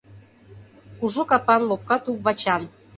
Кужу капан, лопка туп-вачан.